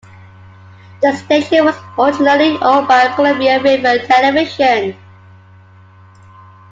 The station was originally owned by Columbia River Television.